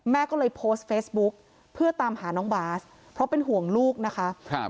แม่ก็เลยโพสต์เฟซบุ๊กเพื่อตามหาน้องบาสเพราะเป็นห่วงลูกนะคะ